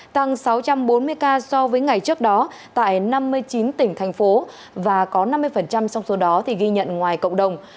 tăng sáu trăm bốn mươi ca so với ngày trước đó tại năm mươi chín tỉnh thành phố và có năm mươi trong số đó ghi nhận ngoài cộng đồng